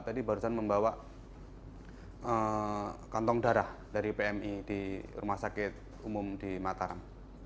tadi barusan membawa kantong darah dari pmi di rumah sakit umum di mataram